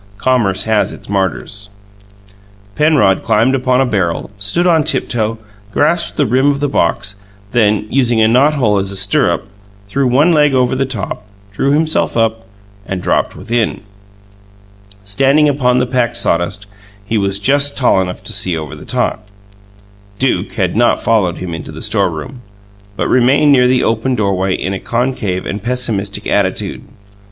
Commerce has its martyrs. Penrod climbed upon a barrel, stood on tiptoe, grasped the rim of the box; then, using a knot hole as a stirrup, threw one leg over the top, drew himself up, and dropped within. Standing upon the packed sawdust, he was just tall enough to see over the top. Duke had not followed him into the storeroom, but remained near the open doorway in a concave and pessimistic attitude.